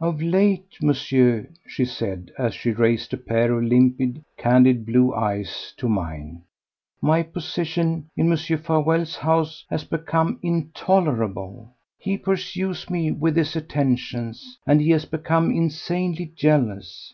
"Of late, Monsieur," she said, as she raised a pair of limpid, candid blue eyes to mine, "my position in Mr. Farewell's house has become intolerable. He pursues me with his attentions, and he has become insanely jealous.